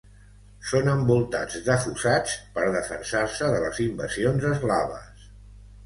Són envoltats de fossats per defensar-se de les invasions eslaves.